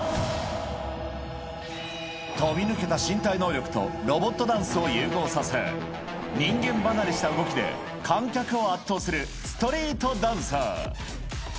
飛び抜けた身体能力とロボットダンスを融合させ、人間離れした動きで、観客を圧倒するストリートダンサー。